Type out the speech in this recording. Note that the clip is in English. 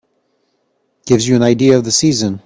Gives you an idea of the season.